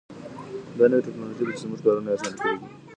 دا نوې تکنالوژي ده چې زموږ کارونه یې اسانه کړي دي.